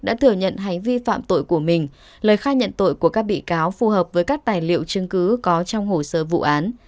đã thừa nhận hành vi phạm tội của mình lời khai nhận tội của các bị cáo phù hợp với các tài liệu chứng cứ có trong hồ sơ vụ án